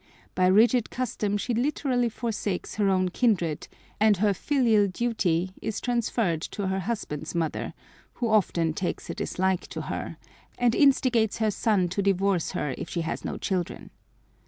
By rigid custom she literally forsakes her own kindred, and her "filial duty" is transferred to her husband's mother, who often takes a dislike to her, and instigates her son to divorce her if she has no children.